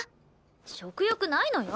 食欲ないのよ。